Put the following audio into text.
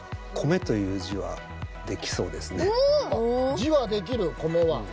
字はできる米は。